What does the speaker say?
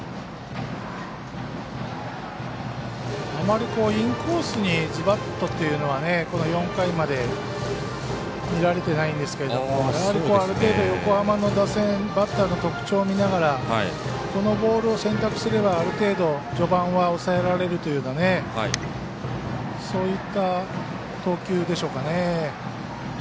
あまりインコースにずばっとっていうのはこの４回まで見られていないんですけどある程度、横浜打線バッターの特徴を見ながらこのボールを選択すればある程度、序盤は抑えられるというようなそういった投球でしょうかね。